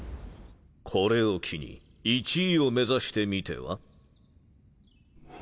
これを機に１位を目指してみては？